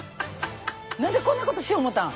何でこんなことしよう思たん。